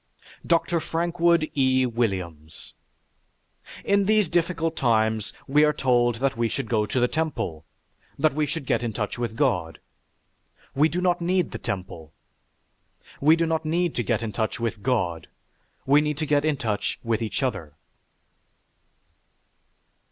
DR. FRANKWOOD E. WILLIAMS In these difficult times we are told that we should go to the temple, that we should get in touch with God. We do not need the temple. We do not need to get in touch with "God." We need to get in touch with each other.